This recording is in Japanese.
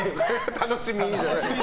楽しみじゃないですよ。